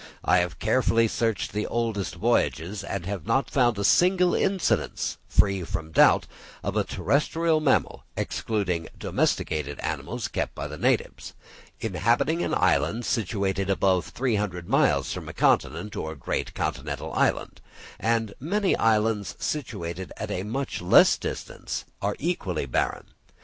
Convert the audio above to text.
I have carefully searched the oldest voyages, and have not found a single instance, free from doubt, of a terrestrial mammal (excluding domesticated animals kept by the natives) inhabiting an island situated above 300 miles from a continent or great continental island; and many islands situated at a much less distance are equally barren.